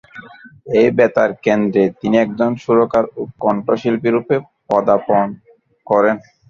এই বেতার কেন্দ্রে তিনি একজন সুরকার ও কণ্ঠশিল্পী রুপে পদার্পণ করেন।